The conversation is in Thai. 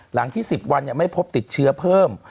หลังที่๑๐วันไม่พบติดเชื้อเพิ่ม